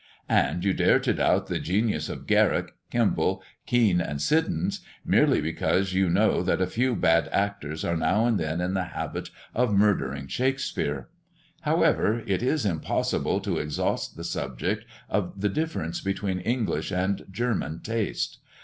And you dare to doubt the genius of Garrick, Kemble, Kean, and Siddons, merely because you know that a few bad actors are now and then in the habit of murdering Shakespeare. However, it is impossible to exhaust the subject of the difference between English and German taste.